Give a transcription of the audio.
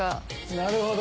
なるほど。